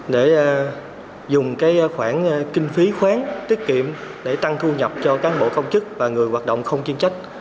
để dùng khoản kinh phí khoáng tiết kiệm để tăng thu nhập cho cán bộ công chức và người hoạt động không chuyên trách